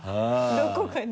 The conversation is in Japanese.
どこかに。